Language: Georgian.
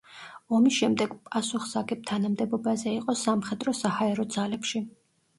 ომის შემდეგ პასუხსაგებ თანამდებობაზე იყო სამხედრო-საჰაერო ძალებში.